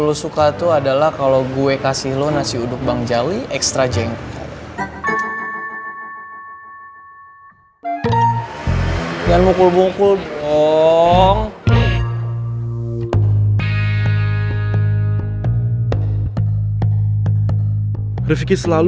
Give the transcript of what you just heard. yang lu suka tuh adalah kalo gue kasih lu nasi uduk bang jali ekstra jengkol